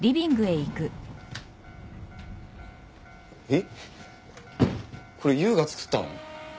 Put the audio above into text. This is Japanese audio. えっこれ優が作ったの？